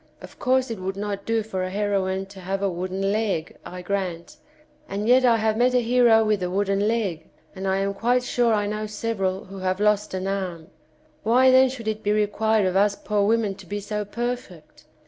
Of course it would not do for a heroine to have a wooden leg, I grant, and yet I have met a hero with a wooden leg, and I am quite sure I know several who have lost an arm; why then should it be required of us poor women to be so perfect